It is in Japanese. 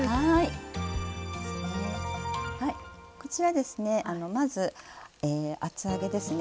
こちらですねまず厚揚げですね。